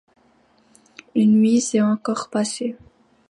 Une nuit s’est encore passée.